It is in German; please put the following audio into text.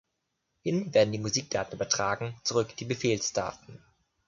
Hin werden die Musikdaten übertragen, zurück die Befehlsdaten.